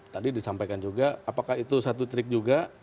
tadi disampaikan juga apakah itu satu trik juga